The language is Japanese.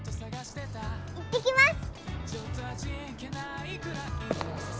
行ってきます！